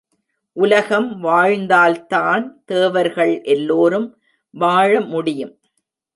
உலகம் வாழ்ந்தால்தான் தேவர்கள் எல்லோரும் வாழ முடியும்.